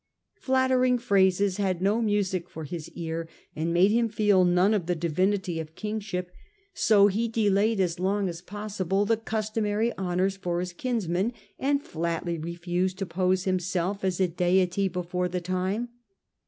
Flattering phrases had no music for his ear, and made him feel none of the divinity of kingship ; so he delayed as long as possible the customary honours for and fearless his kinsmen, and flatly refused to pose him confidence, self as a deity before the time.